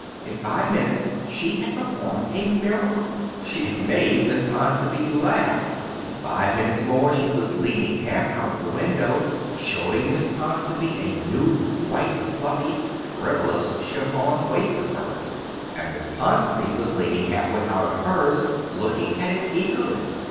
In five minutes she had performed a miracle she had made Miss Ponsonby laugh. In five minutes more she was leaning half out of the window showing Miss Ponsonby a new, white, fluffy, frivolous, chiffony waist of hers, and Miss Ponsonby was leaning halfway out of hers looking at it eagerly.